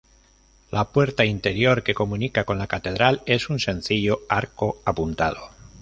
La puerta interior que comunica con la Catedral es un sencillo arco apuntado.